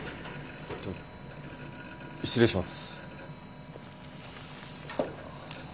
失礼します。